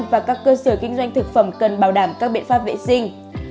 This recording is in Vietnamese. và các cơ sở kinh doanh thực phẩm cần bảo đảm các biện pháp vệ sinh